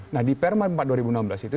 nah di perman empat dua ribu enam belas itu